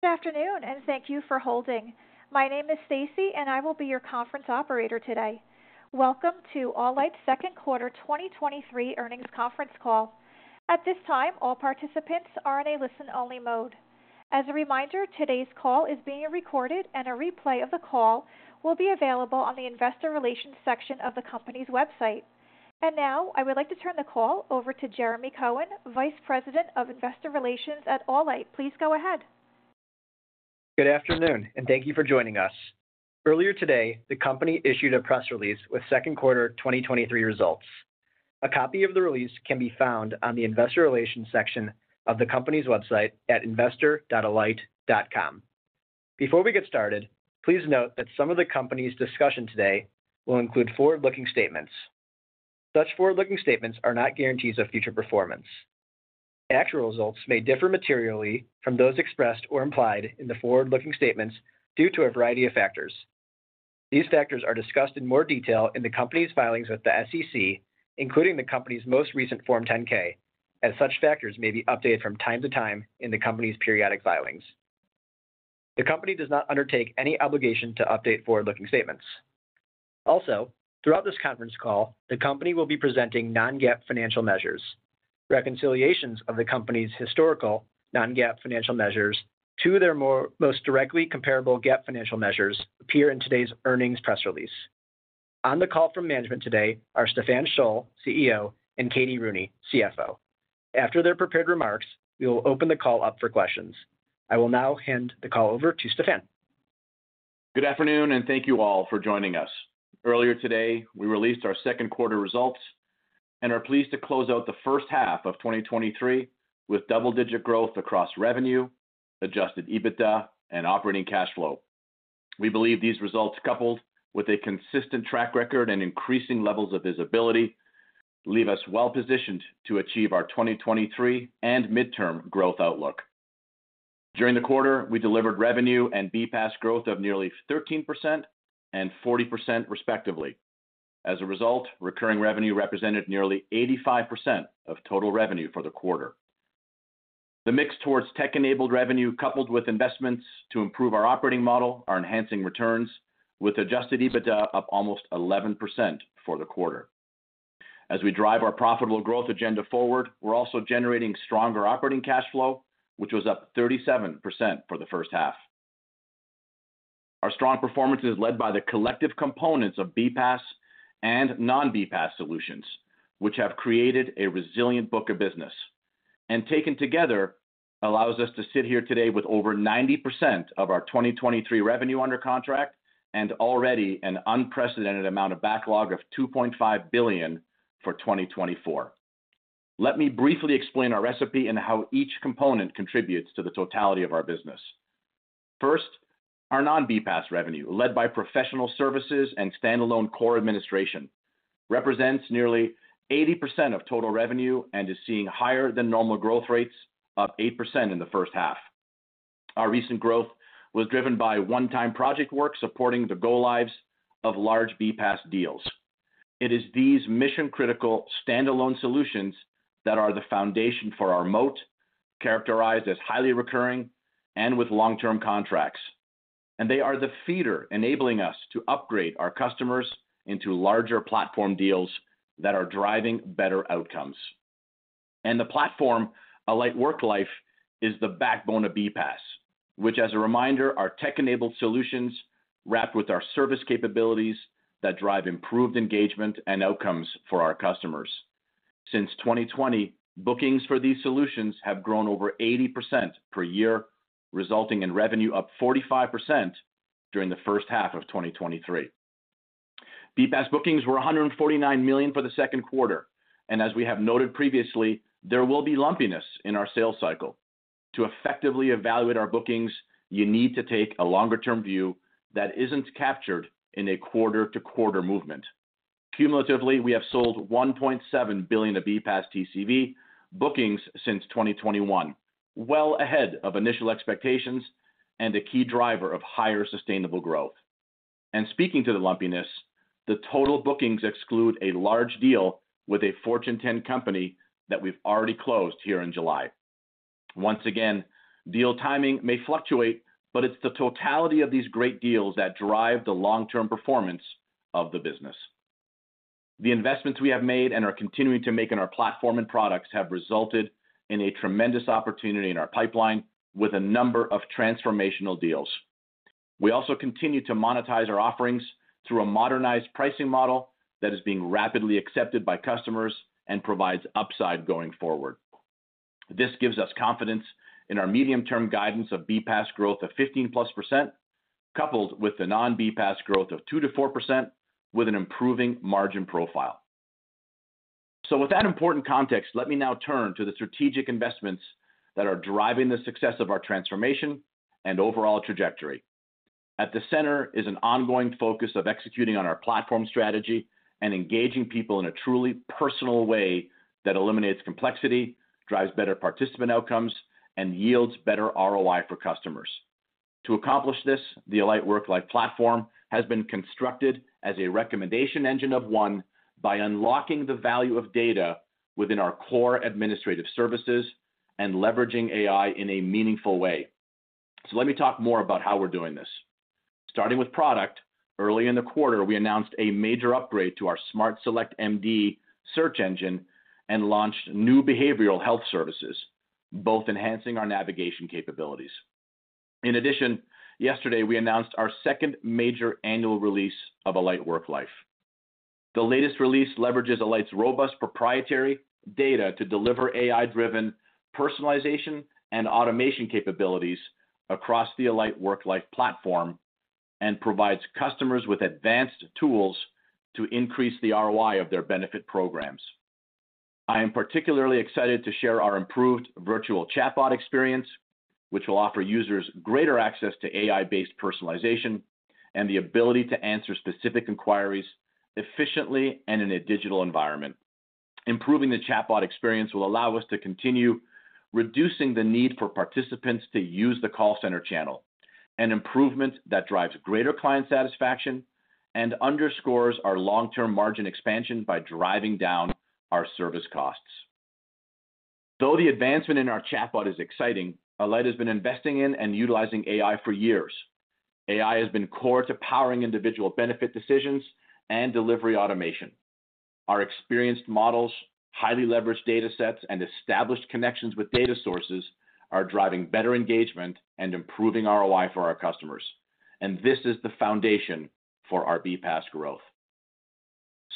Good afternoon, and thank you for holding. My name is Stacy, and I will be your conference operator today. Welcome to Alight's Second Quarter 2023 Earnings Conference Call. At this time, all participants are in a listen-only mode. As a reminder, today's call is being recorded, and a replay of the call will be available on the investor relations section of the company's website. Now, I would like to turn the call over to Jeremy Cohen, Vice President of Investor Relations at Alight. Please go ahead. Good afternoon, and thank you for joining us. Earlier today, the company issued a press release with second quarter 2023 results. A copy of the release can be found on the investor relations section of the company's website at investor.alight.com. Before we get started, please note that some of the company's discussion today will include forward-looking statements. Such forward-looking statements are not guarantees of future performance. Actual results may differ materially from those expressed or implied in the forward-looking statements due to a variety of factors. These factors are discussed in more detail in the company's filings with the SEC, including the company's most recent Form 10-K, and such factors may be updated from time to time in the company's periodic filings. The company does not undertake any obligation to update forward-looking statements. Throughout this conference call, the company will be presenting non-GAAP financial measures. Reconciliations of the company's historical non-GAAP financial measures to their most directly comparable GAAP financial measures appear in today's earnings press release. On the call from management today are Stephan Scholl, CEO, and Katie Rooney, CFO. After their prepared remarks, we will open the call up for questions. I will now hand the call over to Stephan. Good afternoon. Thank you all for joining us. Earlier today, we released our second quarter results and are pleased to close out the first half of 2023 with double-digit growth across revenue, Adjusted EBITDA, and operating cash flow. We believe these results, coupled with a consistent track record and increasing levels of visibility, leave us well positioned to achieve our 2023 and midterm growth outlook. During the quarter, we delivered revenue and BPaaS growth of nearly 13% and 40%, respectively. As a result, recurring revenue represented nearly 85% of total revenue for the quarter. The mix towards tech-enabled revenue, coupled with investments to improve our operating model, are enhancing returns, with Adjusted EBITDA up almost 11% for the quarter. As we drive our profitable growth agenda forward, we're also generating stronger operating cash flow, which was up 37% for the first half. Our strong performance is led by the collective components of BPaaS and non-BPaaS solutions, which have created a resilient book of business, taken together, allows us to sit here today with over 90% of our 2023 revenue under contract and already an unprecedented amount of backlog of $2.5 billion for 2024. Let me briefly explain our recipe and how each component contributes to the totality of our business. First, our non-BPaaS revenue, led by professional services and standalone core administration, represents nearly 80% of total revenue and is seeing higher than normal growth rates, up 8% in the first half. Our recent growth was driven by one-time project work supporting the go-lives of large BPaaS deals. It is these mission-critical, standalone solutions that are the foundation for our moat, characterized as highly recurring and with long-term contracts. They are the feeder, enabling us to upgrade our customers into larger platform deals that are driving better outcomes. The platform, Alight Worklife, is the backbone of BPaaS, which as a reminder, are tech-enabled solutions wrapped with our service capabilities that drive improved engagement and outcomes for our customers. Since 2020, bookings for these solutions have grown over 80% per year, resulting in revenue up 45% during the first half of 2023. BPaaS bookings were $149 million for the second quarter, and as we have noted previously, there will be lumpiness in our sales cycle. To effectively evaluate our bookings, you need to take a longer-term view that isn't captured in a quarter-to-quarter movement. Cumulatively, we have sold $1.7 billion of BPaaS TCV bookings since 2021, well ahead of initial expectations and a key driver of higher sustainable growth. Speaking to the lumpiness, the total bookings exclude a large deal with a fortune 10 company that we've already closed here in July. Once again, deal timing may fluctuate, but it's the totality of these great deals that drive the long-term performance of the business. The investments we have made and are continuing to make in our platform and products have resulted in a tremendous opportunity in our pipeline with a number of transformational deals. We also continue to monetize our offerings through a modernized pricing model that is being rapidly accepted by customers and provides upside going forward. This gives us confidence in our medium-term guidance of BPaaS growth of 15+%, coupled with the non-BPaaS growth of 2%-4% with an improving margin profile. With that important context, let me now turn to the strategic investments that are driving the success of our transformation and overall trajectory. At the center is an ongoing focus of executing on our platform strategy and engaging people in a truly personal way that eliminates complexity, drives better participant outcomes, and yields better ROI for customers. To accomplish this, the Alight Worklife platform has been constructed as a recommendation engine of one by unlocking the value of data within our core administrative services and leveraging AI in a meaningful way. Let me talk more about how we're doing this. Starting with product, early in the quarter, we announced a major upgrade to our SmartSelect MD search engine and launched new behavioral health services, both enhancing our navigation capabilities. Yesterday, we announced our second major annual release of Alight Worklife. The latest release leverages Alight's robust proprietary data to deliver AI-driven personalization and automation capabilities across the Alight Worklife platform, and provides customers with advanced tools to increase the ROI of their benefit programs. I am particularly excited to share our improved virtual chatbot experience, which will offer users greater access to AI-based personalization and the ability to answer specific inquiries efficiently and in a digital environment. Improving the chatbot experience will allow us to continue reducing the need for participants to use the call center channel, an improvement that drives greater client satisfaction and underscores our long-term margin expansion by driving down our service costs. Though the advancement in our chatbot is exciting, Alight has been investing in and utilizing AI for years. AI has been core to powering individual benefit decisions and delivery automation. Our experienced models, highly leveraged data sets, and established connections with data sources are driving better engagement and improving ROI for our customers. This is the foundation for our BPaaS growth.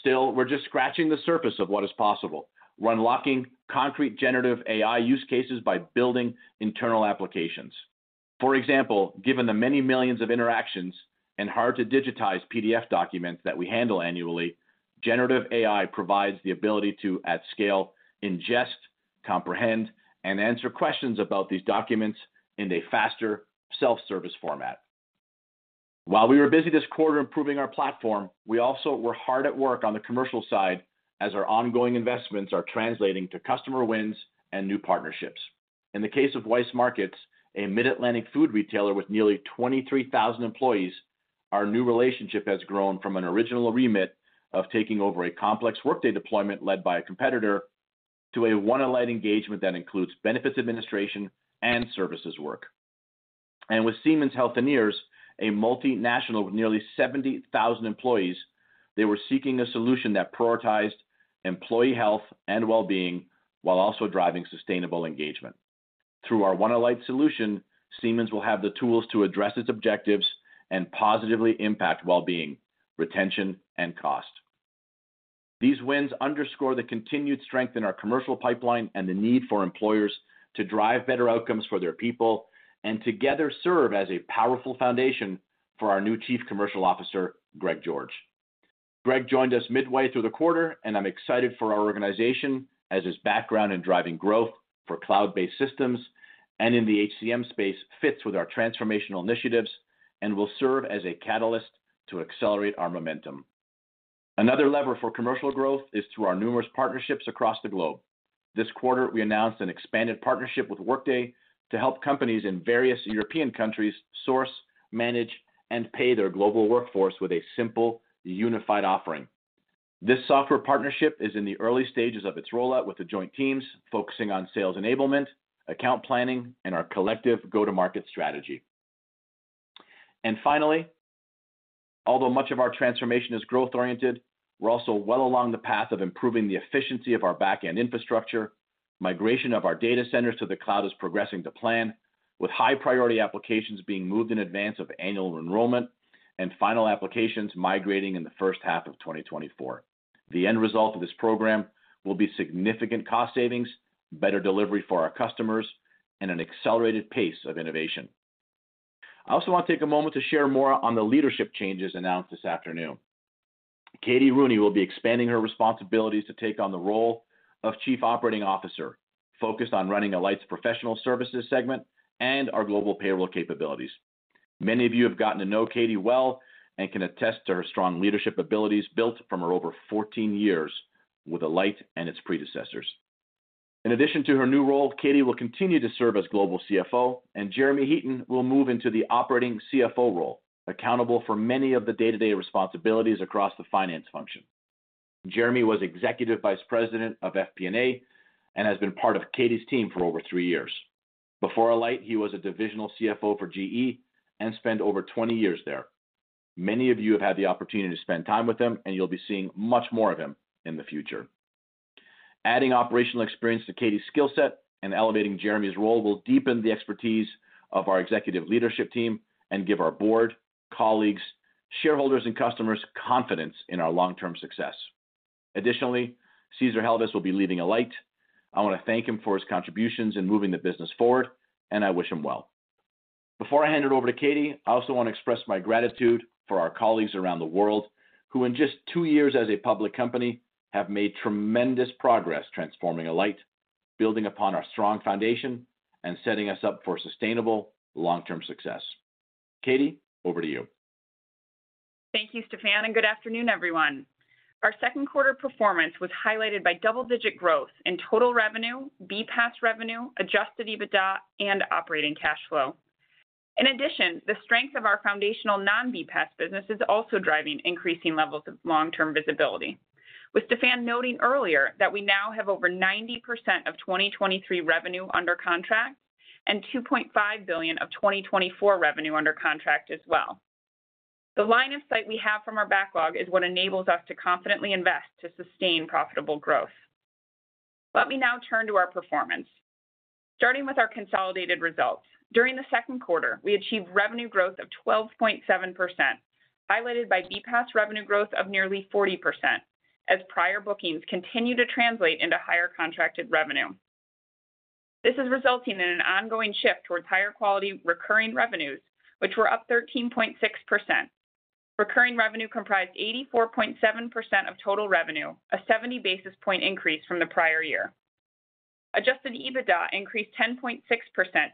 Still, we're just scratching the surface of what is possible. We're unlocking concrete generative AI use cases by building internal applications. For example, given the many millions of interactions and hard-to-digitize PDF documents that we handle annually, generative AI provides the ability to, at scale, ingest, comprehend, and answer questions about these documents in a faster self-service format. While we were busy this quarter improving our platform, we also were hard at work on the commercial side as our ongoing investments are translating to customer wins and new partnerships. In the case of Weis Markets, a Mid-Atlantic food retailer with nearly 23,000 employees, our new relationship has grown from an original remit of taking over a complex Workday Deployment led by a competitor to a One Alight engagement that includes benefits, administration, and services work. With Siemens Healthineers, a multinational with nearly 70,000 employees, they were seeking a solution that prioritized employee health and well-being while also driving sustainable engagement. Through our One Alight solution, Siemens will have the tools to address its objectives and positively impact well-being, retention, and cost. These wins underscore the continued strength in our commercial pipeline and the need for employers to drive better outcomes for their people, and together serve as a powerful foundation for our new Chief Commercial Officer, Greg George. Greg joined us midway through the quarter, and I'm excited for our organization as his background in driving growth for cloud-based systems and in the HCM space fits with our transformational initiatives and will serve as a catalyst to accelerate our momentum. Another lever for commercial growth is through our numerous partnerships across the globe. This quarter, we announced an expanded partnership with Workday to help companies in various European countries source, manage, and pay their global workforce with a simple, unified offering. This software partnership is in the early stages of its rollout, with the joint teams focusing on sales enablement, account planning, and our collective go-to-market strategy. Finally, although much of our transformation is growth-oriented, we're also well along the path of improving the efficiency of our back-end infrastructure. Migration of our data centers to the cloud is progressing to plan, with high-priority applications being moved in advance of annual enrollment and final applications migrating in the first half of 2024. The end result of this program will be significant cost savings, better delivery for our customers, and an accelerated pace of innovation. I also want to take a moment to share more on the leadership changes announced this afternoon. Katie Rooney will be expanding her responsibilities to take on the role of Chief Operating Officer, focused on running Alight's professional services segment and our global payroll capabilities. Many of you have gotten to know Katie well and can attest to her strong leadership abilities built from her over 14 years with Alight and its predecessors. In addition to her new role, Katie will continue to serve as Global CFO, and Jeremy Heaton will move into the operating CFO role, accountable for many of the day-to-day responsibilities across the finance function. Jeremy was Executive Vice President of FP&A and has been part of Katie's team for over three years. Before Alight, he was a divisional CFO for GE and spent over 20 years there. Many of you have had the opportunity to spend time with him, and you'll be seeing much more of him in the future. Adding operational experience to Katie's skill set and elevating Jeremy's role will deepen the expertise of our executive leadership team and give our board, colleagues, shareholders, and customers confidence in our long-term success. Additionally, Cesar Jelvez will be leaving Alight. I want to thank him for his contributions in moving the business forward, and I wish him well. Before I hand it over to Katie, I also want to express my gratitude for our colleagues around the world who, in just two years as a public company, have made tremendous progress transforming Alight, building upon our strong foundation, and setting us up for sustainable long-term success. Katie, over to you. Thank you, Stephan, and good afternoon, everyone. Our second quarter performance was highlighted by double-digit growth in total revenue, BPaaS revenue, Adjusted EBITDA, and operating cash flow. In addition, the strength of our foundational non-BPaaS business is also driving increasing levels of long-term visibility, with Stephan noting earlier that we now have over 90% of 2023 revenue under contract and $2.5 billion of 2024 revenue under contract as well. The line of sight we have from our backlog is what enables us to confidently invest to sustain profitable growth. Let me now turn to our performance. Starting with our consolidated results, during the second quarter, we achieved revenue growth of 12.7%, highlighted by BPaaS revenue growth of nearly 40%, as prior bookings continue to translate into higher contracted revenue. This is resulting in an ongoing shift towards higher quality recurring revenues, which were up 13.6%. Recurring revenue comprised 84.7% of total revenue, a 70 basis point increase from the prior year. Adjusted EBITDA increased 10.6%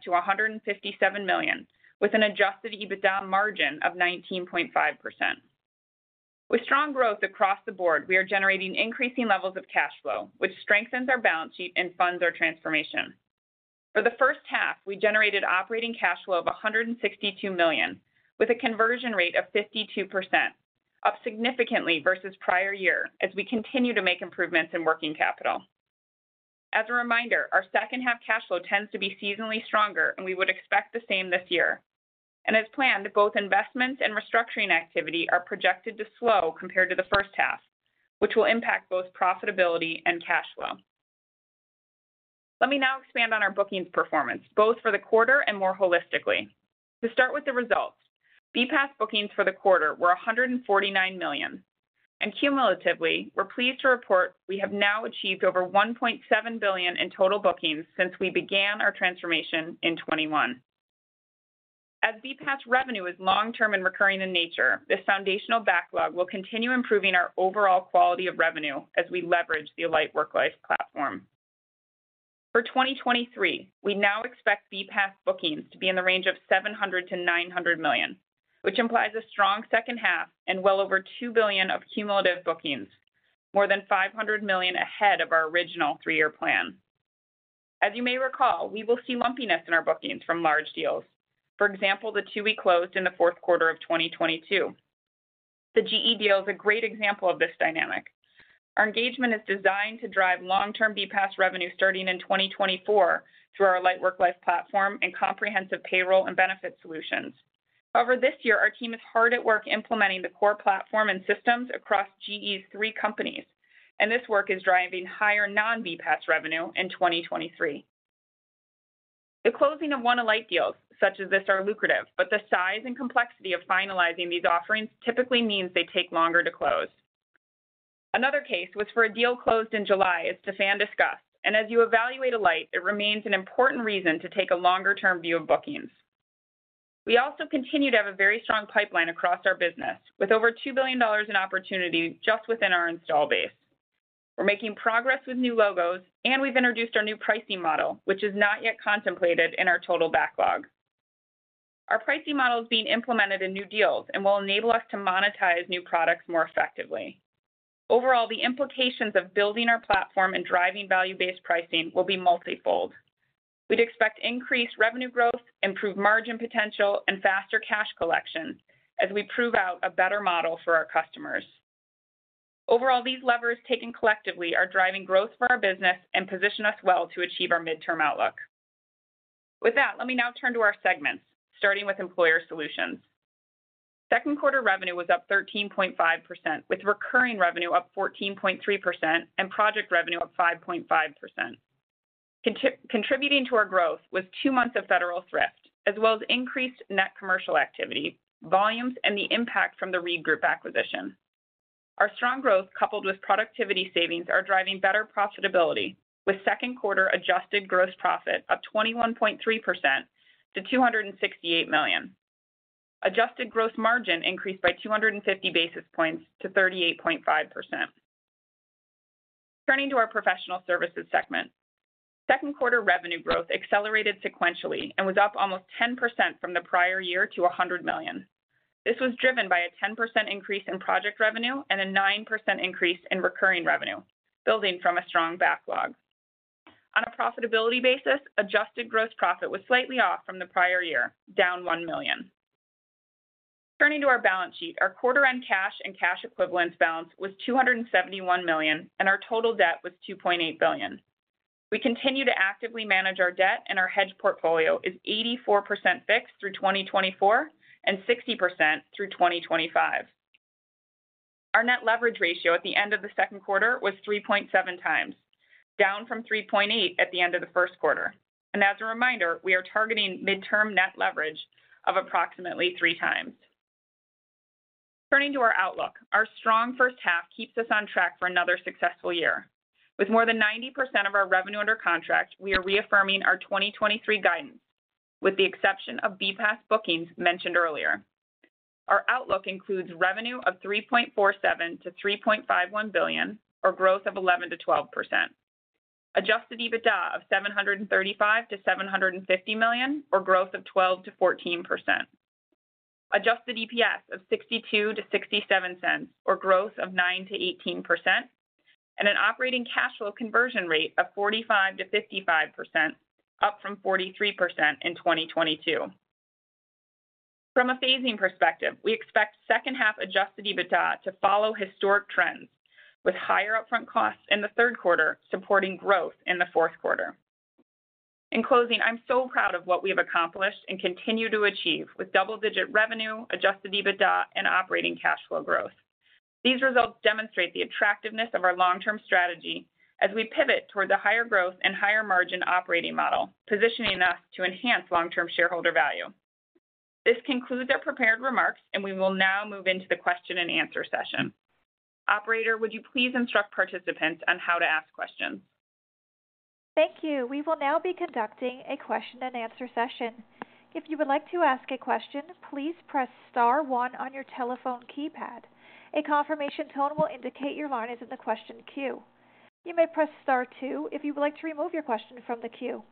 to $157 million, with an Adjusted EBITDA margin of 19.5%. With strong growth across the board, we are generating increasing levels of cash flow, which strengthens our balance sheet and funds our transformation. For the first half, we generated operating cash flow of $162 million, with a conversion rate of 52%, up significantly versus prior year as we continue to make improvements in working capital. As a reminder, our second-half cash flow tends to be seasonally stronger, and we would expect the same this year. As planned, both investments and restructuring activity are projected to slow compared to the first half, which will impact both profitability and cash flow. Let me now expand on our bookings performance, both for the quarter and more holistically. To start with the results, BPaaS bookings for the quarter were $149 million, and cumulatively, we're pleased to report we have now achieved over $1.7 billion in total bookings since we began our transformation in 2021. As BPaaS revenue is long-term and recurring in nature, this foundational backlog will continue improving our overall quality of revenue as we leverage the Alight Worklife platform. For 2023, we now expect BPaaS bookings to be in the range of $700 million-$900 million, which implies a strong second half and well over $2 billion of cumulative bookings, more than $500 million ahead of our original three-year plan. As you may recall, we will see lumpiness in our bookings from large deals. For example, the two we closed in the fourth quarter of 2022. The GE deal is a great example of this dynamic. Our engagement is designed to drive long-term BPaaS revenue starting in 2024 through our Alight Worklife platform and comprehensive payroll and benefit solutions. However, this year, our team is hard at work implementing the core platform and systems across GE's three companies, and this work is driving higher non-BPaaS revenue in 2023. The closing of One Alight deals such as this are lucrative, but the size and complexity of finalizing these offerings typically means they take longer to close. Another case was for a deal closed in July, as Stephan discussed, and as you evaluate Alight, it remains an important reason to take a longer-term view of bookings. We also continue to have a very strong pipeline across our business, with over $2 billion in opportunity just within our install base. We're making progress with new logos, and we've introduced our new pricing model, which is not yet contemplated in our total backlog. Our pricing model is being implemented in new deals and will enable us to monetize new products more effectively. Overall, the implications of building our platform and driving value-based pricing will be multifold. We'd expect increased revenue growth, improved margin potential, and faster cash collection as we prove out a better model for our customers. Overall, these levers, taken collectively, are driving growth for our business and position us well to achieve our midterm outlook. With that, let me now turn to our segments, starting with employer solutions. Second quarter revenue was up 13.5%, with recurring revenue up 14.3% and project revenue up 5.5%. Contributing to our growth was two months of Federal Thrift, as well as increased net commercial activity, volumes, and the impact from the ReedGroup acquisition. Our strong growth, coupled with productivity savings, are driving better profitability, with second quarter adjusted gross profit up 21.3% to $268 million. Adjusted gross margin increased by 250 basis points to 38.5%. Turning to our professional services segment, second quarter revenue growth accelerated sequentially and was up almost 10% from the prior year to $100 million. This was driven by a 10% increase in project revenue and a 9% increase in recurring revenue, building from a strong backlog. On a profitability basis, adjusted gross profit was slightly off from the prior year, down $1 million. Turning to our balance sheet, our quarter-end cash and cash equivalence balance was $271 million, and our total debt was $2.8 billion. We continue to actively manage our debt, and our hedge portfolio is 84% fixed through 2024 and 60% through 2025. Our net leverage ratio at the end of the second quarter was 3.7 times, down from 3.8 at the end of the first quarter. As a reminder, we are targeting midterm net leverage of approximately 3 times. Turning to our outlook, our strong first half keeps us on track for another successful year. With more than 90% of our revenue under contract, we are reaffirming our 2023 guidance, with the exception of BPaaS bookings mentioned earlier. Our outlook includes revenue of $3.47 billion-$3.51 billion, or growth of 11%-12%. Adjusted EBITDA of $735 million-$750 million, or growth of 12%-14%. Adjusted EPS of $0.62-$0.67, or growth of 9%-18%, and an operating cash flow conversion rate of 45%-55%, up from 43% in 2022. From a phasing perspective, we expect second half Adjusted EBITDA to follow historic trends, with higher upfront costs in the third quarter, supporting growth in the fourth quarter. In closing, I'm so proud of what we have accomplished and continue to achieve with double-digit revenue, Adjusted EBITDA, and operating cash flow growth. These results demonstrate the attractiveness of our long-term strategy as we pivot towards a higher growth and higher margin operating model, positioning us to enhance long-term shareholder value. This concludes our prepared remarks, and we will now move into the question and answer session. Operator, would you please instruct participants on how to ask questions? Thank you. We will now be conducting a question and answer session. If you would like to ask a question, please press star one on your telephone keypad. A confirmation tone will indicate your line is in the question queue. You may press star two if you would like to remove your question from the queue.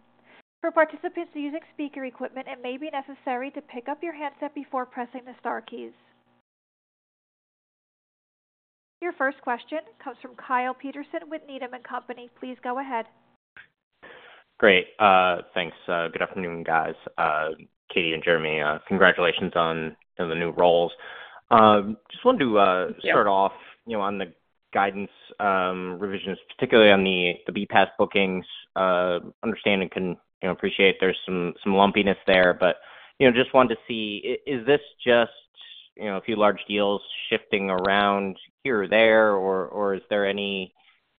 For participants using speaker equipment, it may be necessary to pick up your handset before pressing the star keys. Your first question comes from Kyle Peterson with Needham & Company. Please go ahead. Great. Thanks. Good afternoon, guys. Katie and Jeremy, congratulations on the new roles. Just wanted to start off, you know, on the guidance revisions, particularly on the BPaaS bookings. Understanding can, you know, appreciate there's some lumpiness there, but, you know, just wanted to see, is this just, you know, a few large deals shifting around here or there, or is there any,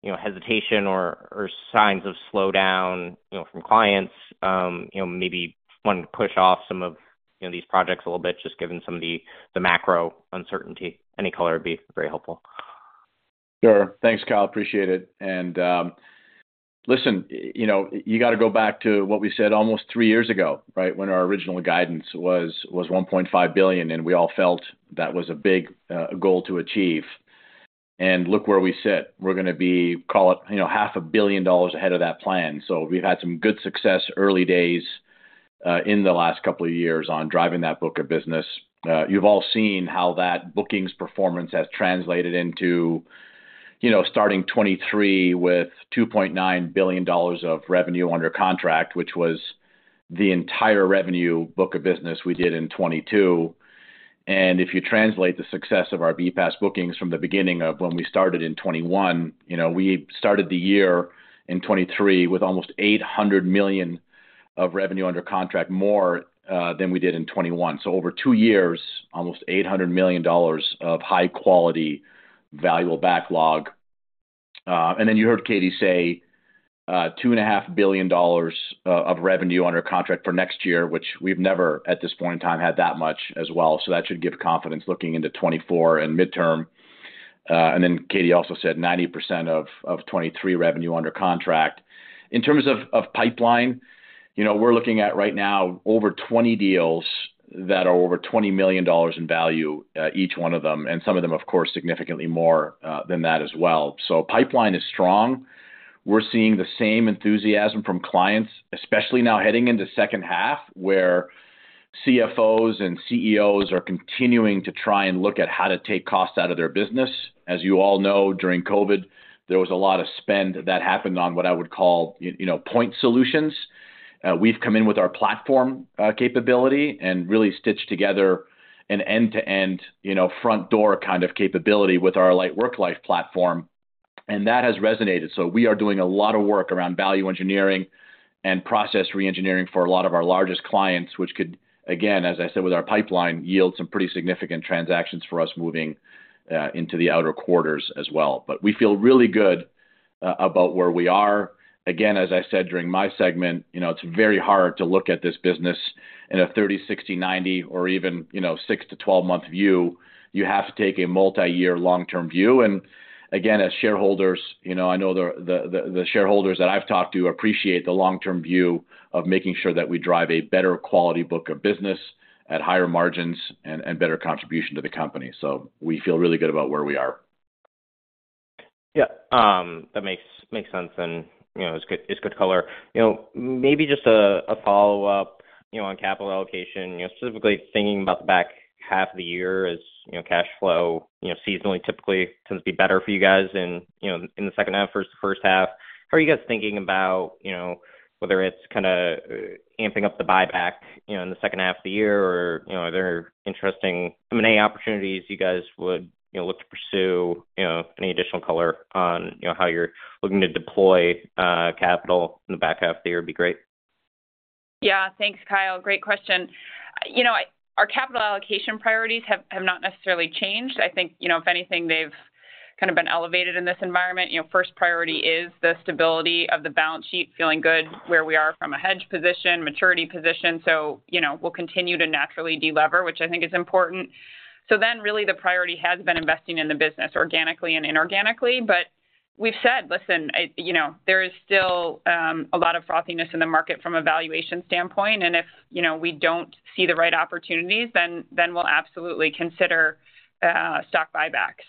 you know, hesitation or signs of slowdown, you know, from clients? You know, maybe wanting to push off some of, you know, these projects a little bit, just given some of the macro uncertainty. Any color would be very helpful. Sure. Thanks, Kyle. Appreciate it. Listen, you know, you got to go back to what we said almost three years ago, right? When our original guidance was, was $1.5 billion, we all felt that was a big, goal to achieve. Look where we sit. We're gonna be, call it, you know, $500 million ahead of that plan. We've had some good success, early days, in the last couple of years on driving that book of business. You've all seen how that bookings performance has translated into, you know, starting 2023 with $2.9 billion of revenue under contract, which was the entire revenue book of business we did in 2022. If you translate the success of our BPaaS bookings from the beginning of when we started in 2021, you know, we started the year in 2023 with almost $800 million of revenue under contract, more than we did in 2021. Over two years, almost $800 million of high quality, valuable backlog. And then you heard Katie say, $2.5 billion of revenue under contract for next year, which we've never, at this point in time, had that much as well. That should give confidence looking into 2024 and midterm. And then Katie also said 90% of 2023 revenue under contract. In terms of, of pipeline, you know, we're looking at right now over 20 deals that are over $20 million in value, each one of them, and some of them, of course, significantly more than that as well. Pipeline is strong. We're seeing the same enthusiasm from clients, especially now heading into second half, where CFOs and CEOs are continuing to try and look at how to take costs out of their business. As you all know, during COVID, there was a lot of spend that happened on what I would call, you know, point solutions. We've come in with our platform, capability and really stitched together an end-to-end, you know, front door kind of capability with our Worklife platform, and that has resonated. We are doing a lot of work around value engineering and process reengineering for a lot of our largest clients, which could, again, as I said, with our pipeline, yield some pretty significant transactions for us moving into the outer quarters as well. We feel really good about where we are. Again, as I said during my segment, you know, it's very hard to look at this business in a 30, 60, 90, or even, you know, 6-12 month view. You have to take a multi-year, long-term view. Again, as shareholders, you know, I know the, the, the shareholders that I've talked to appreciate the long-term view of making sure that we drive a better quality book of business at higher margins and, and better contribution to the company. We feel really good about where we are. Yeah, that makes, makes sense. You know, it's good, it's good color. You know, maybe just a, a follow-up, you know, on capital allocation, you know, specifically thinking about the back half of the year as, you know, cash flow, you know, seasonally, typically tends to be better for you guys in, you know, in the second half versus the first half. How are you guys thinking about, you know, whether it's kinda amping up the buyback, you know, in the second half of the year, or, you know, are there interesting M&A opportunities you guys would, you know, look to pursue? You know, any additional color on, you know, how you're looking to deploy capital in the back half of the year would be great. Yeah. Thanks, Kyle. Great question. You know, our capital allocation priorities have, have not necessarily changed. I think, you know, if anything, they've kind of been elevated in this environment. You know, first priority is the stability of the balance sheet, feeling good where we are from a hedge position, maturity position. You know, we'll continue to naturally delever, which I think is important. Then, really, the priority has been investing in the business organically and inorganically. We've said, listen, you know, there is still a lot of frothiness in the market from a valuation standpoint, and if, you know, we don't see the right opportunities, then, then we'll absolutely consider stock buyback.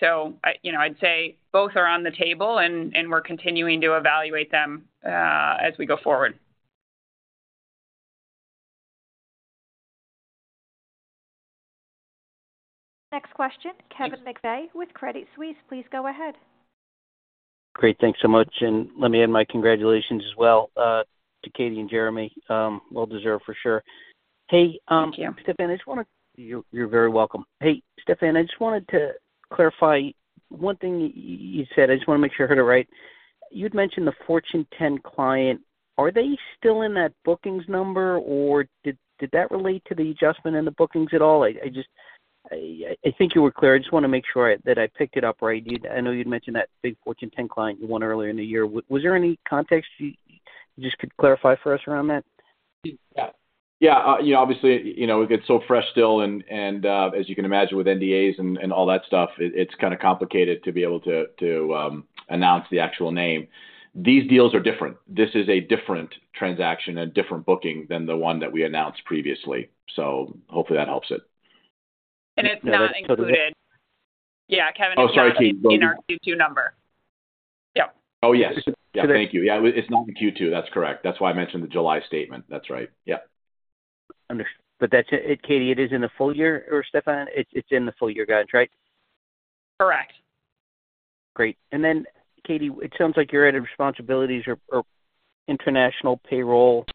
I, you know, I'd say both are on the table, and, and we're continuing to evaluate them as we go forward. Next question, Kevin McVeigh with Credit Suisse. Please go ahead. Great. Thanks so much, and let me add my congratulations as well, to Katie and Jeremy. Well deserved for sure. Hey. Thank you. Stephan, I just want to. You're very welcome. Hey, Stephan, I just wanted to clarify one thing you said. I just want to make sure I heard it right. You'd mentioned the fortune 10 client. Are they still in that bookings number, or did that relate to the adjustment in the bookings at all? I just, I think you were clear. I just want to make sure that I picked it up right. I know you'd mentioned that big fortune 10 client you won earlier in the year. Was there any context you just could clarify for us around that? Yeah. Yeah, you know, obviously, you know, it's so fresh still, and, and, as you can imagine, with NDAs and, and all that stuff, it, it's kind of complicated to be able to, to, announce the actual name. These deals are different. This is a different transaction and a different booking than the one that we announced previously, so hopefully that helps it. It's not included. Yeah. Yeah, Kevin. Oh, sorry, Katie. In our Q2 number. Yep. Oh, yes. So the. Yeah, thank you. Yeah, it's not in Q2. That's correct. That's why I mentioned the July statement. That's right. Yeah. That's it, Katie, it is in the full year, or Stephan, it's in the full year guidance, right? Correct. Great. Katie, it sounds like your added responsibilities are, are international payroll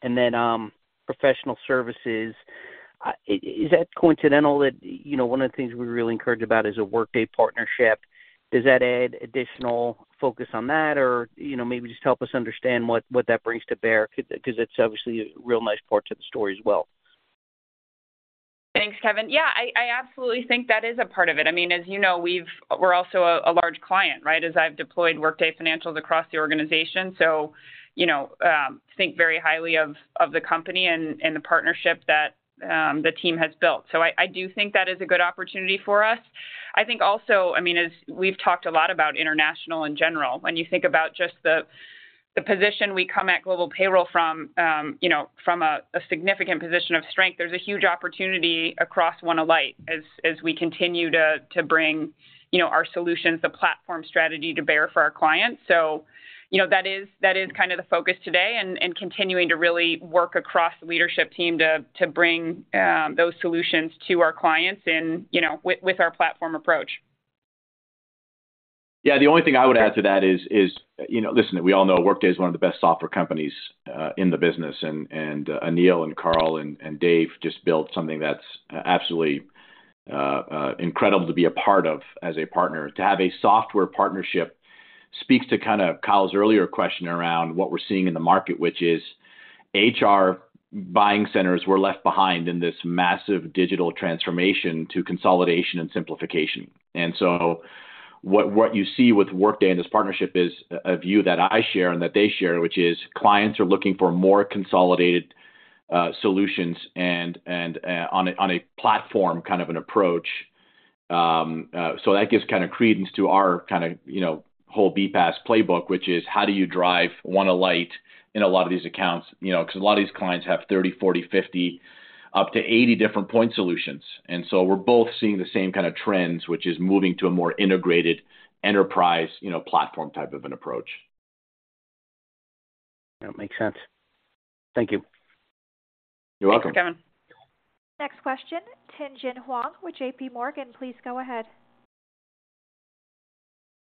and then professional services. Is that coincidental that, you know, one of the things we're really encouraged about is a Workday partnership? Does that add additional focus on that? You know, maybe just help us understand what, what that brings to bear because, because it's obviously a real nice part to the story as well. Thanks, Kevin. Yeah, I, I absolutely think that is a part of it. I mean, as you know, We're also a, a large client, right? As I've deployed Workday financials across the organization, so, you know, think very highly of, of the company and, and the partnership that the team has built. I, I do think that is a good opportunity for us. I think also, I mean, as we've talked a lot about international in general, when you think about just the, the position we come at global payroll from, you know, from a significant position of strength, there's a huge opportunity across One Alight as, as we continue to, to bring, you know, our solutions, the platform strategy, to bear for our clients. You know, that is, that is kind of the focus today and, and continuing to really work across the leadership team to, to bring those solutions to our clients and, you know, with, with our platform approach. Yeah, the only thing I would add to that is, is, you know, listen, we all know Workday is one of the best software companies in the business, and, and Anil and Carl and Dave just built something that's absolutely incredible to be a part of as a partner. To have a software partnership speaks to kind of Kyle's earlier question around what we're seeing in the market, which is HR buying centers were left behind in this massive digital transformation to consolidation and simplification. So what, what you see with Workday and this partnership is a, a view that I share and that they share, which is clients are looking for more consolidated solutions and, and on a, on a platform, kind of an approach. That gives kind of credence to our kind of, you know, whole BPaaS playbook, which is: How do you drive One Alight in a lot of these accounts? You know, because a lot of these clients have 30, 40, 50, up to 80 different point solutions. We're both seeing the same kind of trends, which is moving to a more integrated enterprise, you know, platform type of an approach. That makes sense. Thank you. You're welcome. Thanks, Kevin. Next question, Tien-tsin Huang with JPMorgan. Please go ahead.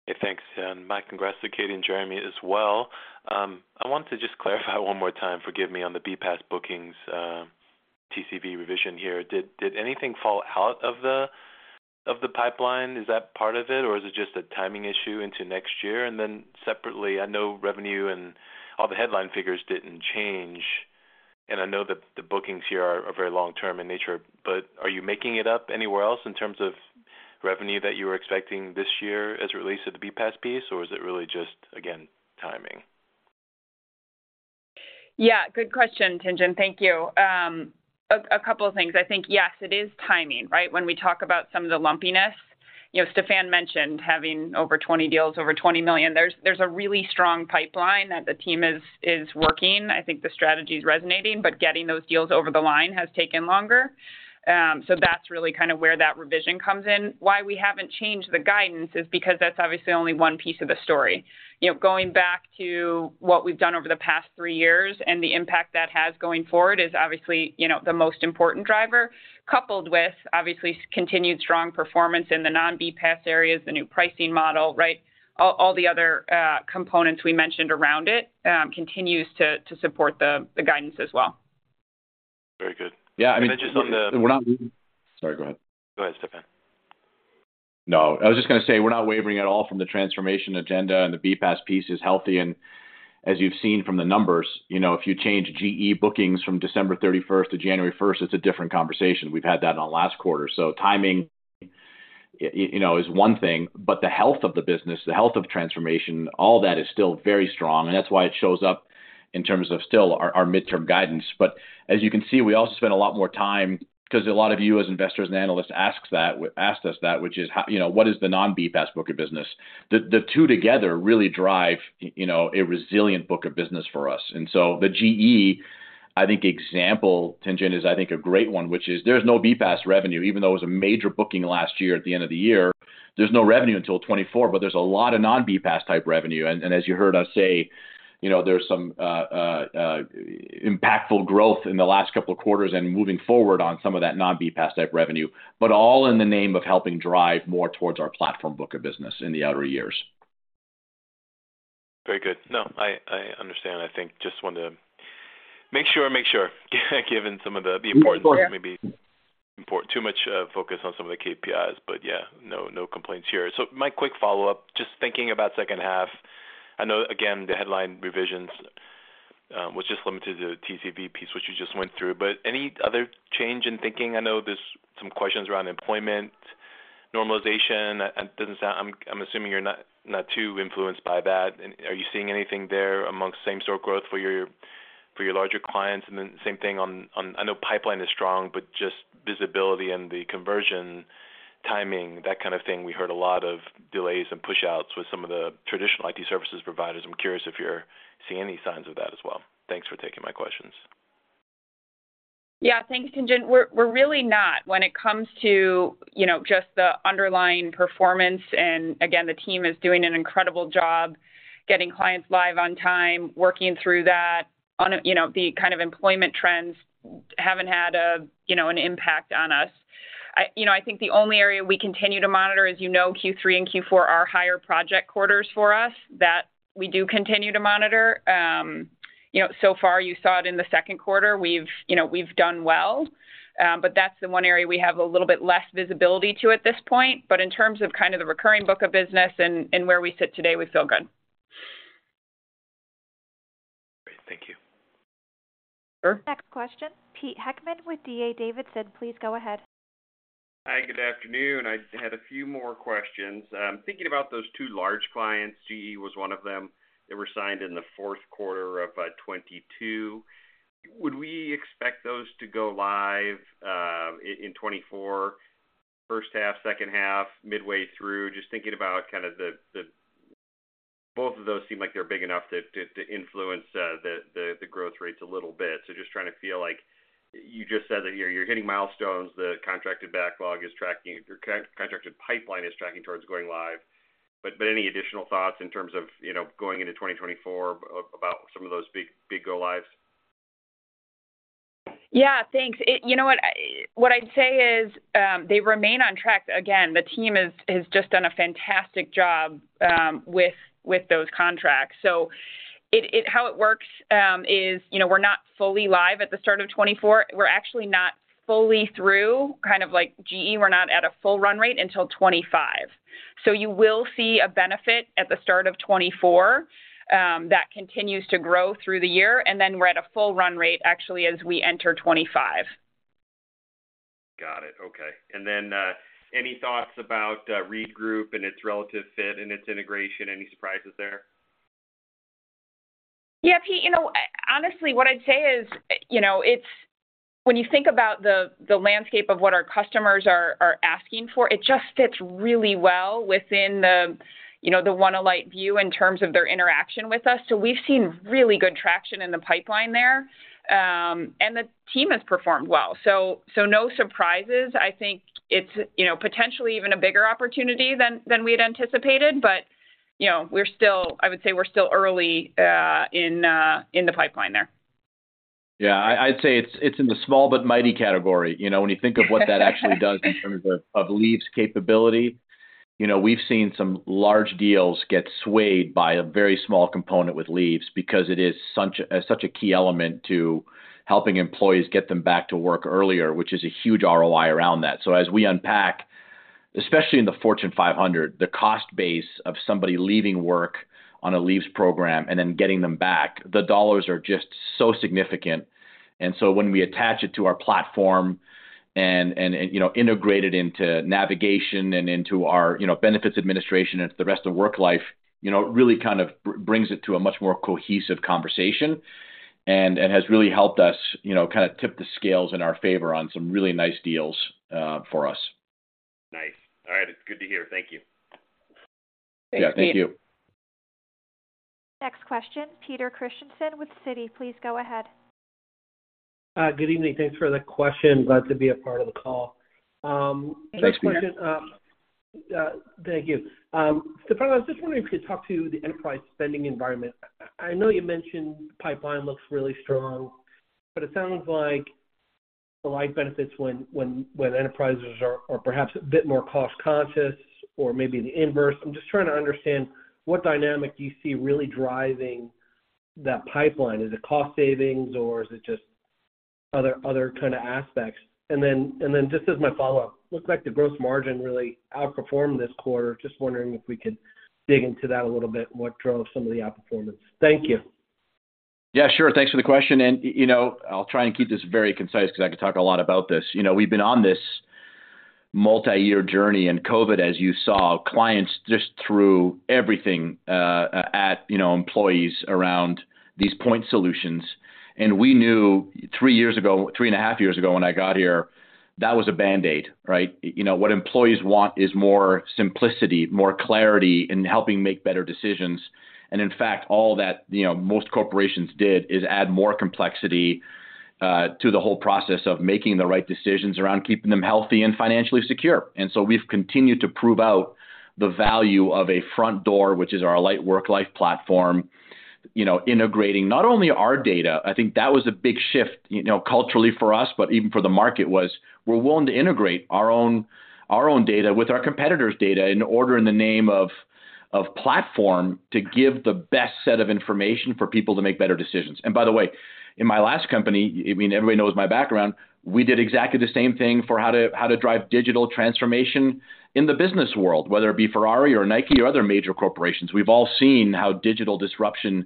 Hey, thanks. My congrats to Katie and Jeremy as well. I want to just clarify one more time, forgive me, on the BPaaS bookings, TCB revision here. Did, did anything fall out of the, of the pipeline? Is that part of it, or is it just a timing issue into next year? Then separately, I know revenue and all the headline figures didn't change, and I know that the bookings here are, are very long term in nature, but are you making it up anywhere else in terms of revenue that you were expecting this year as it relates to the BPaaS piece, or is it really just, again, timing? Yeah, good question, Tien-tsin. Thank you. A couple of things. I think, yes, it is timing, right? When we talk about some of the lumpiness, you know, Stephan mentioned having over 20 deals, over $20 million. There's, there's a really strong pipeline that the team is, is working. I think the strategy is resonating, but getting those deals over the line has taken longer. That's really kind of where that revision comes in. Why we haven't changed the guidance is because that's obviously only one piece of the story. You know, going back to what we've done over the past three years and the impact that has going forward is obviously, you know, the most important driver, coupled with obviously continued strong performance in the non-BPaaS areas, the new pricing model, right? All, all the other components we mentioned around it, continues to, to support the, the guidance as well. Very good. Yeah, I mean. just on We're not... Sorry, go ahead. Go ahead, Stephan. No, I was just gonna say, we're not wavering at all from the transformation agenda, and the BPaaS piece is healthy. As you've seen from the numbers, you know, if you change GE bookings from December 31st to January 1st, it's a different conversation. We've had that on last quarter. Timing, you know, is one thing, but the health of the business, the health of transformation, all that is still very strong, and that's why it shows up in terms of still our, our midterm guidance. As you can see, we also spend a lot more time because a lot of you, as investors and analysts, asked us that, which is how, you know, what is the non-BPaaS book of business? The two together really drive, you know, a resilient book of business for us. The GE, I think, example, Tien-tsin, is I think a great one, which is there's no BPaaS revenue. Even though it was a major booking last year at the end of the year, there's no revenue until 2024, but there's a lot of non-BPaaS type revenue. As you heard us say, you know, there's some impactful growth in the last couple of quarters and moving forward on some of that non-BPaaS type revenue, but all in the name of helping drive more towards our platform book of business in the outer years. Very good. No, I, I understand. I think just wanted to make sure, make sure, given some of the, the importance- Sure. Maybe too much focus on some of the KPIs, yeah, no, no complaints here. My quick follow-up, just thinking about second half, I know, again, the headline revisions, was just limited to the TCV piece, which you just went through, any other change in thinking? I know there's some questions around employment normalization. Doesn't sound, I'm assuming you're not too influenced by that. Are you seeing anything there amongst same-store growth for your larger clients? Then same thing on... I know pipeline is strong, just visibility and the conversion timing, that kind of thing. We heard a lot of delays and pushouts with some of the traditional IT services providers. I'm curious if you're seeing any signs of that as well. Thanks for taking my questions. Yeah. Thanks, Tien-tsin. We're, we're really not. When it comes to, you know, just the underlying performance, and again, the team is doing an incredible job getting clients live on time, working through that. On a, you know, the kind of employment trends haven't had a, you know, an impact on us. I, you know, I think the only area we continue to monitor, as you know, Q3 and Q4 are higher project quarters for us that we do continue to monitor. You know, so far, you saw it in the second quarter. We've, you know, we've done well, but that's the one area we have a little bit less visibility to at this point. In terms of kind of the recurring book of business and, and where we sit today, we feel good. Great. Thank you. Next question, Pete Heckmann with D.A. Davidson. Please go ahead. Hi, good afternoon. I had a few more questions. Thinking about those two large clients, GE was one of them, that were signed in the fourth quarter of 2022. Would we expect those to go live in 2024, first half, second half, midway through? Just thinking about kind of the both of those seem like they're big enough to influence the growth rates a little bit. Just trying to feel like... You just said that you're, you're hitting milestones, the contracted backlog is tracking, your contracted pipeline is tracking towards going live. Any additional thoughts in terms of, you know, going into 2024 about some of those big, big go lives? Yeah, thanks. You know what? What I'd say is, they remain on track. Again, the team has just done a fantastic job with those contracts. How it works is, you know, we're not fully live at the start of 2024. We're actually not fully through, kind of like GE, we're not at a full run rate until 2025. You will see a benefit at the start of 2024 that continues to grow through the year. We're at a full run rate, actually, as we enter 2025. Got it. Okay. Then, any thoughts about ReedGroup and its relative fit and its integration? Any surprises there? Yeah, Pete, you know, honestly, what I'd say is, you know, when you think about the, the landscape of what our customers are, are asking for, it just fits really well within the, you know, the One Alight view in terms of their interaction with us. We've seen really good traction in the pipeline there, and the team has performed well. No surprises. I think it's, you know, potentially even a bigger opportunity than, than we'd anticipated, but, you know, we're still, I would say we're still early in the pipeline there. Yeah, I, I'd say it's, it's in the small but mighty category. You know, when you think of what that actually does in terms of, of leaves capability, you know, we've seen some large deals get swayed by a very small component with leaves because it is such a, such a key element to helping employees get them back to work earlier, which is a huge ROI around that. As we unpack, especially in the Fortune 500, the cost base of somebody leaving work on a leaves program and then getting them back, the dollars are just so significant. So when we attach it to our platform and, you know, integrate it into navigation and into our, you know, benefits administration and the rest of Worklife, you know, it really kind of brings it to a much more cohesive conversation and, and has really helped us, you know, kind of tip the scales in our favor on some really nice deals for us. Nice. All right. It's good to hear. Thank you. Yeah, thank you. Thanks, Pete. Next question, Peter Christiansen with Citi. Please go ahead. Good evening. Thanks for the question. Glad to be a part of the call. Thanks, Peter. Next question. Thank you. Stephan Scholl, I was just wondering if you could talk to the enterprise spending environment. I know you mentioned pipeline looks really strong, but it sounds like Alight benefits when enterprises are perhaps a bit more cost-conscious or maybe the inverse. I'm just trying to understand what dynamic you see really driving that pipeline. Is it cost savings, or is it just other kind of aspects? Then just as my follow-up, looks like the gross margin really outperformed this quarter. Just wondering if we could dig into that a little bit, what drove some of the outperformance? Thank you. Yeah, sure. Thanks for the question, you know, I'll try and keep this very concise because I could talk a lot about this. You know, we've been on this multi-year journey in COVID, as you saw, clients just threw everything at, you know, employees around these point solutions. We knew three years ago, three and a half years ago when I got here, that was a band-aid, right? You know, what employees want is more simplicity, more clarity in helping make better decisions. In fact, all that, you know, most corporations did, is add more complexity to the whole process of making the right decisions around keeping them healthy and financially secure. We've continued to prove out the value of a front door, which is our Alight Worklife platform, you know, integrating not only our data, I think that was a big shift, you know, culturally for us, but even for the market, was we're willing to integrate our own, our own data with our competitors' data in order in the name of, of platform, to give the best set of information for people to make better decisions. By the way, in my last company, I mean, everybody knows my background, we did exactly the same thing for how to, how to drive digital transformation in the business world. Whether it be Ferrari or Nike or other major corporations, we've all seen how digital disruption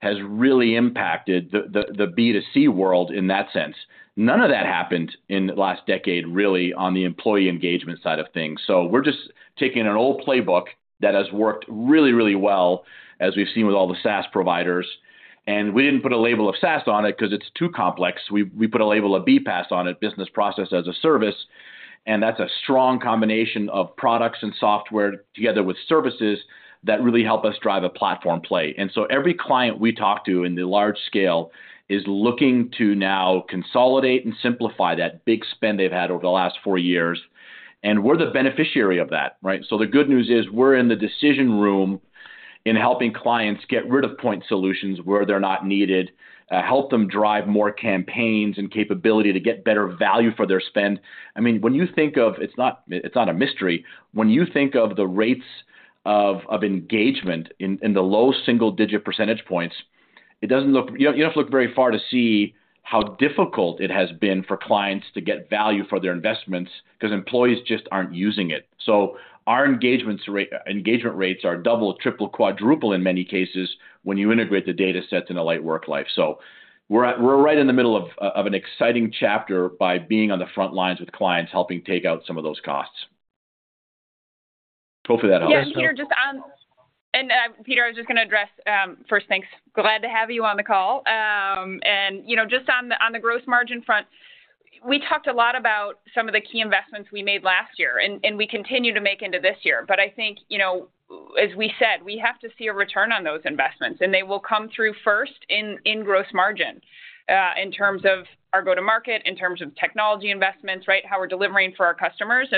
has really impacted the, the B2C world in that sense. None of that happened in the last decade, really, on the employee engagement side of things. We're just taking an old playbook that has worked really, really well, as we've seen with all the SaaS providers, and we didn't put a label of SaaS on it 'cause it's too complex. We, we put a label of BPaaS on it, Business Process as a Service, and that's a strong combination of products and software together with services that really help us drive a platform play. Every client we talk to in the large scale is looking to now consolidate and simplify that big spend they've had over the last four years, and we're the beneficiary of that, right? The good news is, we're in the decision room in helping clients get rid of point solutions where they're not needed, help them drive more campaigns and capability to get better value for their spend. I mean, when you think of... It's not a mystery. When you think of the rates of, of engagement in, in the low single-digit percentage points, you don't have to look very far to see how difficult it has been for clients to get value for their investments because employees just aren't using it. Our engagement rates are double, triple, quadruple in many cases, when you integrate the data sets in Alight Worklife. We're right in the middle of, of an exciting chapter by being on the front lines with clients, helping take out some of those costs. Hopefully that helps. Yeah, Peter, just on- and Peter, I was just gonna address. First, thanks. Glad to have you on the call. You know, just on the, on the gross margin front, we talked a lot about some of the key investments we made last year, and we continue to make into this year. I think, you know, as we said, we have to see a return on those investments, and they will come through first in, in gross margin, in terms of our go-to-market, in terms of technology investments, right? How we're delivering for our customers,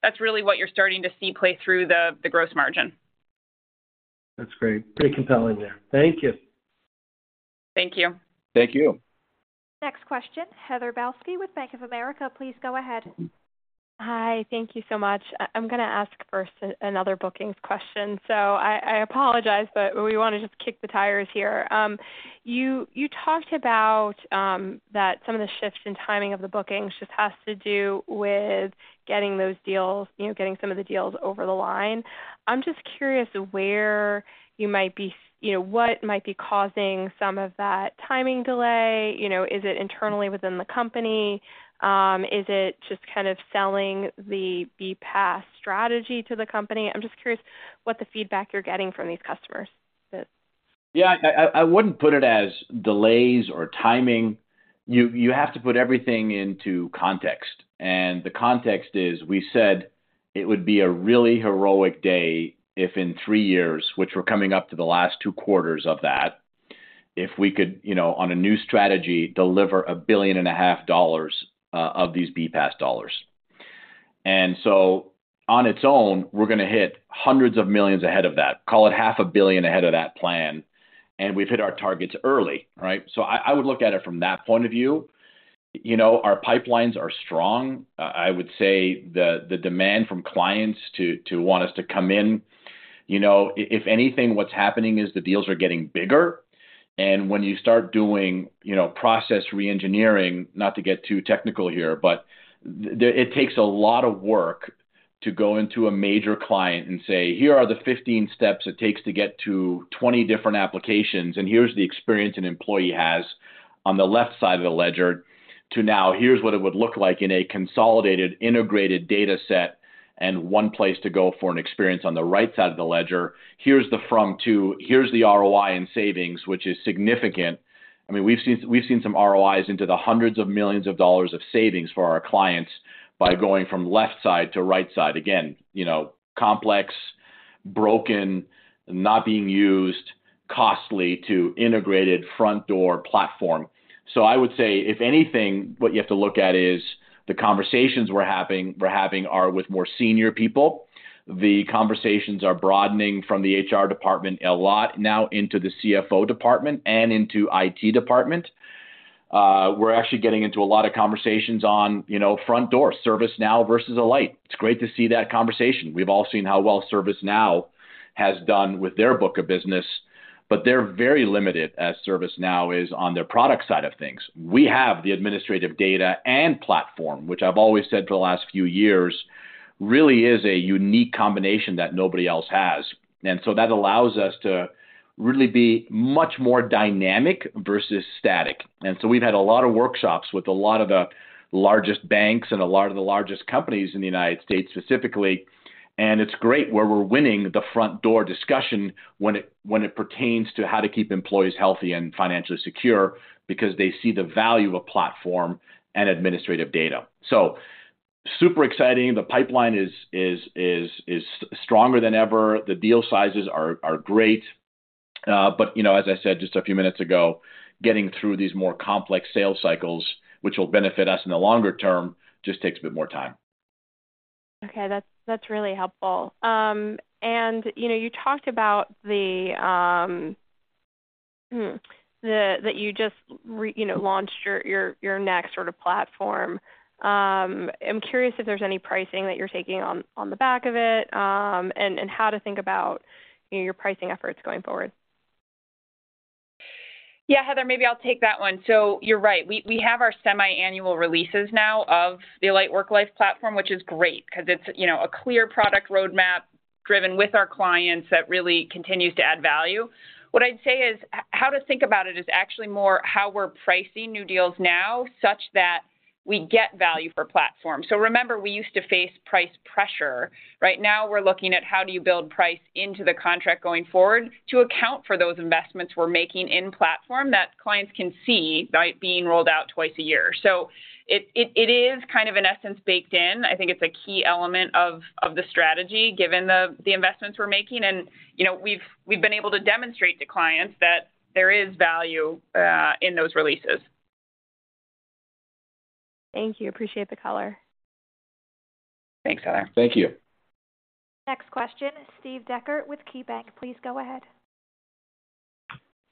that's really what you're starting to see play through the, the gross margin. That's great. Very compelling there. Thank you. Thank you. Thank you. Next question, Heather Balsky with Bank of America. Please go ahead. Hi, thank you so much. I'm gonna ask first another bookings question, so I, I apologize, but we wanna just kick the tires here. You, you talked about that some of the shifts in timing of the bookings just has to do with getting those deals, you know, getting some of the deals over the line. I'm just curious where you might be. You know, what might be causing some of that timing delay? You know, is it internally within the company? Is it just kind of selling the BPaaS strategy to the company? I'm just curious what the feedback you're getting from these customers is. Yeah, I, I, I wouldn't put it as delays or timing. You, you have to put everything into context. The context is, we said it would be a really heroic day if in three years, which we're coming up to the last two quarters of that, if we could, you know, on a new strategy, deliver $1.5 billion of these BPaaS dollars. On its own, we're gonna hit hundreds of millions ahead of that, call it $500 million ahead of that plan, and we've hit our targets early, right? I, I would look at it from that point of view. You know, our pipelines are strong. I would say the, the demand from clients to, to want us to come in, you know, if anything, what's happening is the deals are getting bigger. When you start doing, you know, process reengineering, not to get too technical here, but it takes a lot of work to go into a major client and say: Here are the 15 steps it takes to get to 20 different applications, and here's the experience an employee has on the left side of the ledger to now, here's what it would look like in a consolidated, integrated dataset, and one place to go for an experience on the right side of the ledger. Here's the from to. Here's the ROI in savings, which is significant. I mean, we've seen, we've seen some ROIs into the hundreds of millions of dollars of savings for our clients by going from left side to right side. You know, complex, broken, not being used, costly to Integrated Front Door platform. I would say, if anything, what you have to look at is the conversations we're having are with more senior people. The conversations are broadening from the HR department a lot now into the CFO department and into IT department. We're actually getting into a lot of conversations on, you know, front door, ServiceNow versus Alight. It's great to see that conversation. We've all seen how well ServiceNow has done with their book of business, but they're very limited as ServiceNow is on their product side of things. We have the administrative data and platform, which I've always said for the last few years, really is a unique combination that nobody else has. That allows us to really be much more dynamic versus static. We've had a lot of workshops with a lot of the largest banks and a lot of the largest companies in the United States, specifically. It's great where we're winning the front door discussion when it pertains to how to keep employees healthy and financially secure, because they see the value of platform and administrative data. Super exciting. The pipeline is stronger than ever. The deal sizes are great. But, you know, as I said just a few minutes ago, getting through these more complex sales cycles, which will benefit us in the longer term, just takes a bit more time. Okay, that's, that's really helpful. You know, you talked about the, you know, launched your, your, your next sort of platform. I'm curious if there's any pricing that you're taking on, on the back of it, and, and how to think about, you know, your pricing efforts going forward. Yeah, Heather, maybe I'll take that one. You're right. We, we have our semi-annual releases now of the Alight Worklife platform, which is great 'cause it's, you know, a clear product roadmap driven with our clients that really continues to add value. What I'd say is how to think about it is actually more how we're pricing new deals now, such that we get value for platform. Remember, we used to face price pressure. Right now, we're looking at how do you build price into the contract going forward to account for those investments we're making in platform that clients can see by being rolled out twice a year. It, it, it is kind of, in essence, baked in. I think it's a key element of, of the strategy, given the, the investments we're making. you know, we've, we've been able to demonstrate to clients that there is value in those releases. Thank you. Appreciate the color. Thanks, Heather. Thank you. Next question, Steve Enders with KeyBanc. Please go ahead.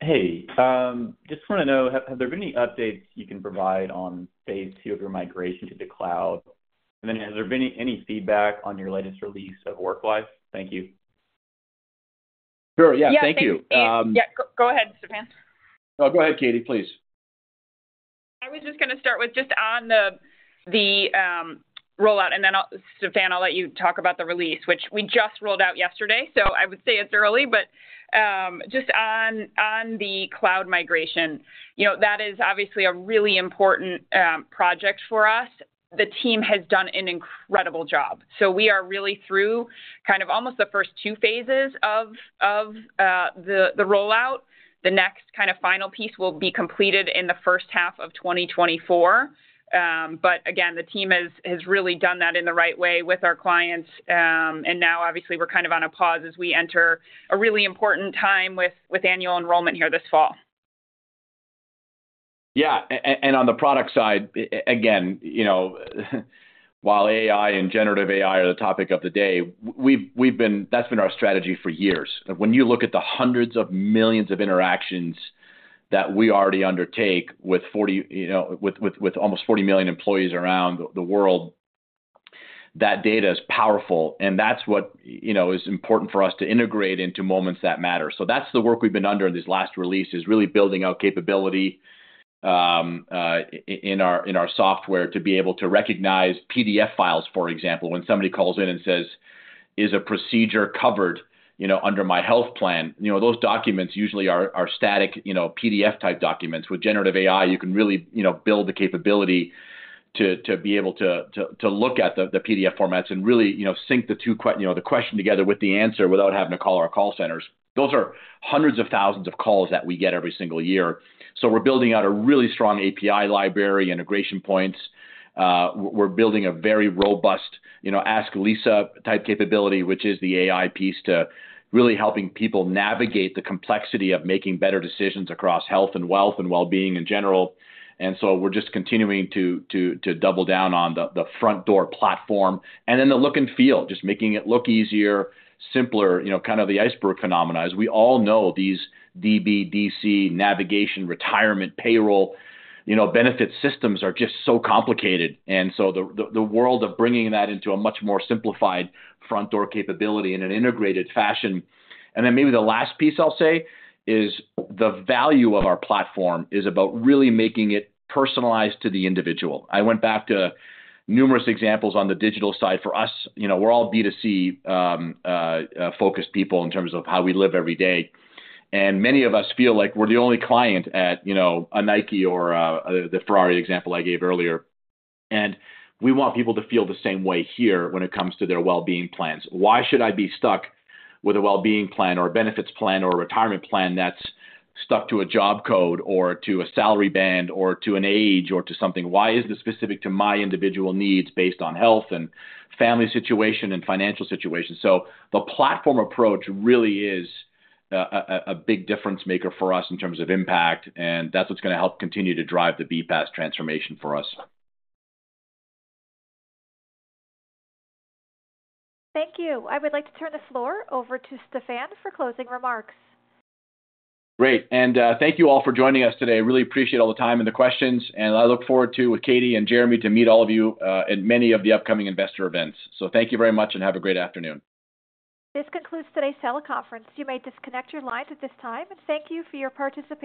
Hey, just want to know, have, have there been any updates you can provide on phase two of your migration to the cloud? Has there been any feedback on your latest release of Worklife? Thank you. Sure. Yeah. Thank you. Yeah. Go, go ahead, Stephan. No, go ahead, Katie, please. I was just gonna start with just on the, the, rollout, and then Stephan, I'll let you talk about the release, which we just rolled out yesterday, so I would say it's early. Just on, on the cloud migration, you know, that is obviously a really important project for us. The team has done an incredible job. We are really through kind of almost the first two phases of, of, the, the rollout. The next kind of final piece will be completed in the first half of 2024. Again, the team has, has really done that in the right way with our clients, and now obviously, we're kind of on a pause as we enter a really important time with, with annual enrollment here this fall. And on the product side, again, you know, while AI and generative AI are the topic of the day, we've been, that's been our strategy for years. When you look at the hundreds of millions of interactions that we already undertake with 40, you know, almost 40 million employees around the world, that data is powerful, and that's what, you know, is important for us to integrate into moments that matter. That's the work we've been under in this last release, is really building out capability in our software to be able to recognize PDF files, for example. When somebody calls in and says, "Is a procedure covered, you know, under my health plan?" You know, those documents usually are, are static, you know, PDF-type documents. With generative AI, you can really, you know, build the capability to be able to look at the PDF formats and really, you know, sync the two you know, the question together with the answer without having to call our call centers. Those are hundreds of thousands of calls that we get every single year. So we're building out a really strong API library, integration points. We're building a very robust, you know, Ask Lisa-type capability, which is the AI piece, to really helping people navigate the complexity of making better decisions across health and wealth and wellbeing in general. So we're just continuing to double down on the Front Door platform and then the look and feel, just making it look easier, simpler, you know, kind of the iceberg phenomena. As we all know, these DB, DC navigation, retirement, payroll, you know, benefit systems are just so complicated. The, the, the world of bringing that into a much more simplified front door capability in an integrated fashion. Maybe the last piece I'll say is the value of our platform is about really making it personalized to the individual. I went back to numerous examples on the digital side. For us, you know, we're all B2C focused people in terms of how we live every day, and many of us feel like we're the only client at, you know, a Nike or the Ferrari example I gave earlier, and we want people to feel the same way here when it comes to their wellbeing plans. Why should I be stuck with a wellbeing plan or a benefits plan or a retirement plan that's stuck to a job code or to a salary band or to an age or to something? Why isn't it specific to my individual needs based on health and family situation and financial situation? The platform approach really is a, a, a big difference maker for us in terms of impact, and that's what's gonna help continue to drive the BPaaS transformation for us. Thank you. I would like to turn the floor over to Stephan for closing remarks. Great, thank you all for joining us today. I really appreciate all the time and the questions, and I look forward to, with Katie and Jeremy, to meet all of you at many of the upcoming investor events. Thank you very much, and have a great afternoon. This concludes today's teleconference. You may disconnect your lines at this time, and thank you for your participation.